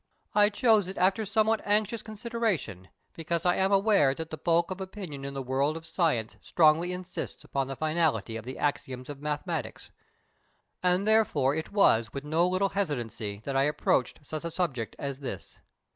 I chose it after somewhat anxious consideration, because I am aware that the bulk of opinion in the world of science strongly insists upon the finality of the axioms of mathematics, and therefore it was with no little hesitancy that I approached such a subject as this.